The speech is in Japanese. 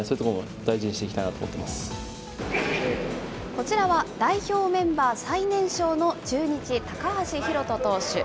こちらは代表メンバー最年少の中日、高橋宏斗投手。